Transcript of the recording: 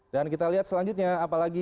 dan kita lihat selanjutnya apalagi